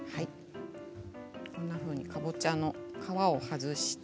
こんなふうに、かぼちゃの皮を外して。